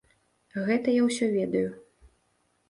Гэта я ўсё ведаю.